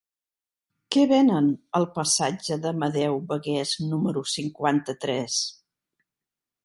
Què venen al passatge d'Amadeu Bagués número cinquanta-tres?